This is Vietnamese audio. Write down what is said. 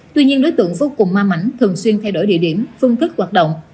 tuy nhiên đối tượng vô cùng ma mảnh thường xuyên thay đổi địa điểm phương thức hoạt động